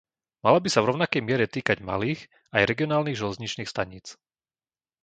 Mala by sa v rovnakej miere týkať malých aj regionálnych železničných staníc.